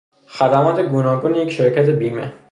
خدمات گوناگون یک شرکت بیمه